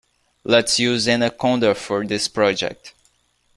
Let's use Anaconda for this project.